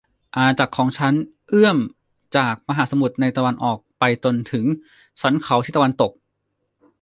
อาณาจักรของฉันเอื้อมจากมหาสมุทรในตะวันออกไปจนถึงสันเขาในทิศตะวันตก